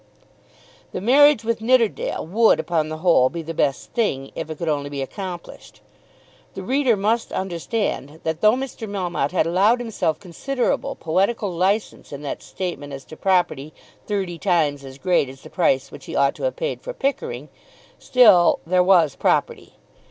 The marriage with Nidderdale would upon the whole be the best thing, if it could only be accomplished. The reader must understand that though Mr. Melmotte had allowed himself considerable poetical licence in that statement as to property thirty times as great as the price which he ought to have paid for Pickering, still there was property.